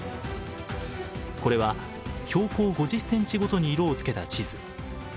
これは標高５０ｃｍごとに色をつけた地図。